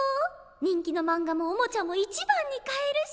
人気のマンガもおもちゃも一番に買えるし！